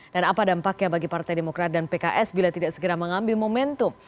dan apa dampaknya bagi partai demokrat dan pks bila tidak segera mengambil momentum